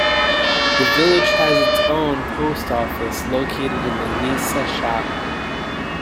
The village has its own Post Office located in the Nisa shop.